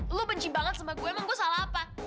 lu benci banget sama gue emang gue salah apa